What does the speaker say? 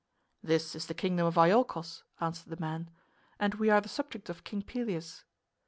"This is the kingdom of Iolchos," answered the man, "and we are the subjects of King Pelias.